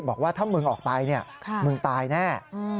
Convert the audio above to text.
บอกว่าถ้ามึงออกไปเนี่ยมึงตายแน่